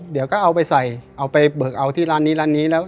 เดี๋ยวก็เอาไปใส่เอาไปเบิกเอาที่ร้านนี้ร้านนี้แล้ว